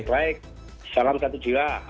baik salam satu jiwa